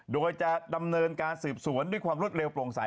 โดยจะดำเนินการสืบสวนด้วยความรวดเร็วโปร่งใส